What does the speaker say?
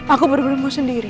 aku bener bener mau sendiri